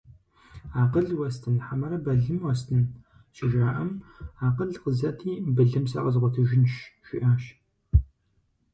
«Акъыл уэстын, хьэмэрэ былым уэстын?» - щыжаӀэм, «Акъыл къызэти, былым сэ къэзгъуэтыжынщ», - жиӀащ.